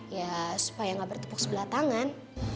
ya supaya nggak bertepuk sebelah tangan